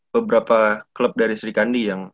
beberapa klub dari sri kandi yang